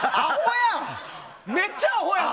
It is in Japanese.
めっちゃアホやん！